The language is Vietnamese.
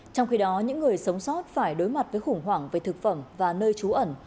trong khi đó những người sống sót phải đối mặt với khủng hoảng về thực phẩm và nơi trú ẩn